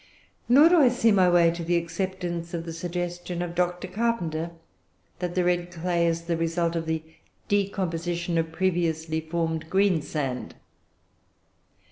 Nor do I see my way to the acceptance of the suggestion of Dr. Carpenter, that the red clay is the result of the decomposition of previously formed greensand.